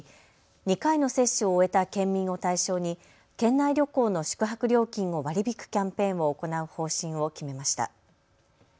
２回の接種を終えた県民を対象に県内旅行の宿泊料金を割り引くキャンペーンを行う方針を決めました。